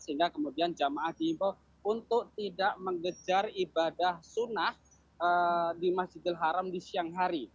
sehingga kemudian jamaah diimbau untuk tidak mengejar ibadah sunnah di masjidil haram di siang hari